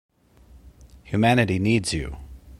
Humanity needs you!